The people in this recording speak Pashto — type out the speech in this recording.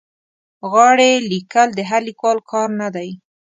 غاړې لیکل د هر لیکوال کار نه دی.